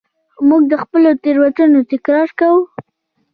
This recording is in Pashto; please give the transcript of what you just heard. موږ د خپلو تېروتنو تکرار کوو.